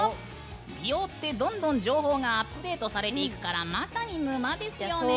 美容って、どんどん情報がアップデートされていくからまさに沼ですよね。